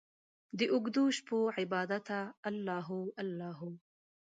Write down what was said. داوږدوشپو عبادته الله هو، الله هو